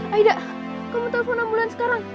aida kamu telepon ambulans sekarang